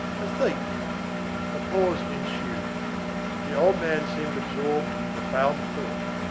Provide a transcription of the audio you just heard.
"A thief." A pause ensued. The old man seemed absorbed in profound thought.